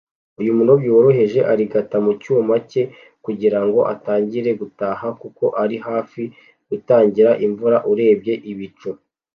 Uyu murobyi woroheje arigata mu cyuma cye kugirango atangire gutaha kuko ari hafi gutangira imvura urebye ibicu.